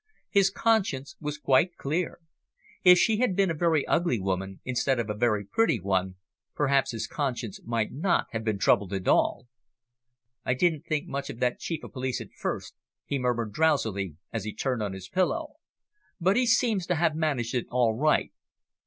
His conscience was quite clear. If she had been a very ugly woman, instead of a very pretty one, perhaps his conscience might not have been troubled at all. "I didn't think much of that Chief of Police at first," he murmured drowsily, as he turned on his pillow. "But he seems to have managed it all right.